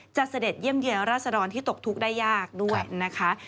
เสด็จเยี่ยมเยือนราษดรที่ตกทุกข์ได้ยากด้วยนะคะ